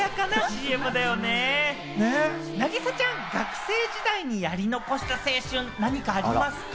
凪咲ちゃん、学生時代にやり残した青春、何かありますか？